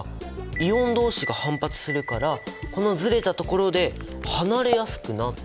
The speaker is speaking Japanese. イオンどうしが反発するからこのずれたところで離れやすくなった。